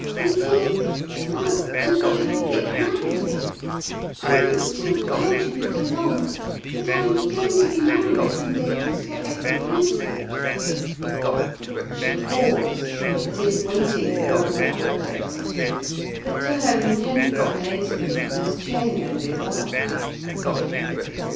"Until — well, until I get married. I meant to have told you before long, but I am going to be married some day to Sir Edgar Brenton " She paused as if waiting for another outburst, but to her intense amazement Miss Cheyne only laughed.